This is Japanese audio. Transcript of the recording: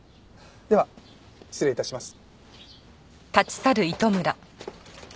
では失礼致します。